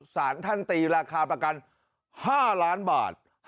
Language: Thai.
สารท่านตีราคาประกัน๕ล้านบาท